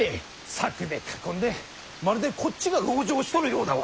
柵で囲んでまるでこっちが籠城しとるようだわ。